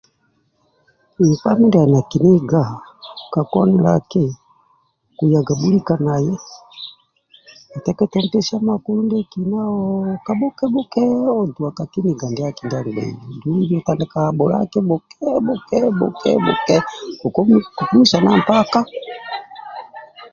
Nkpa mindia ali na kiniga ka koniaki kuyaga bhulika naye oteketa ompesia makulu ndietolo bhuke bhuke oduwa ka kiniga ndiaki ndia alinai kokumwisa na mpaka